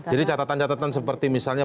jadi catatan catatan seperti misalnya